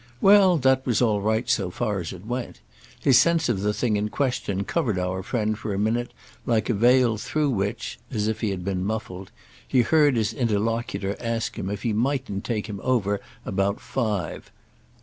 Well, that was all right so far as it went; his sense of the thing in question covered our friend for a minute like a veil through which—as if he had been muffled—he heard his interlocutor ask him if he mightn't take him over about five.